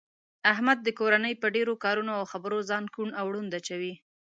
احمد د کورنۍ په ډېرو کارونو او خبرو ځان کوڼ او ړوند اچوي.